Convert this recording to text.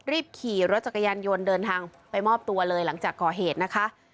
รีบขี่รถจักรยานยนต์เดินทางไปมอบตัวเลยหลังจากก่อเหตุนะคะ